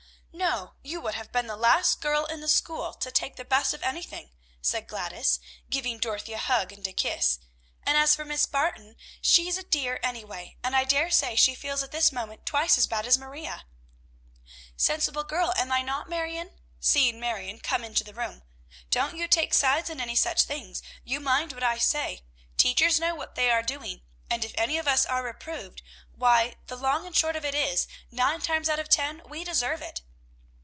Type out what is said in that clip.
"No: you would have been the last girl in the school to take the best of anything," said Gladys, giving Dorothy a hug and a kiss; "and as for Miss Barton, she's a dear, anyway, and I dare say she feels at this moment twice as bad as Maria." "Sensible girl, am I not, Marion?" seeing Marion come into the room. "Don't you take sides in any such things; you mind what I say! Teachers know what they are doing; and if any of us are reproved, why, the long and short of it is, nine times out of ten we deserve it.